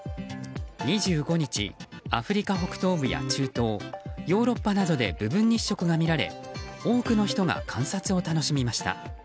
２５日、アフリカ北東部や中東ヨーロッパなどで部分日食が見られ多くの人が観察を楽しみました。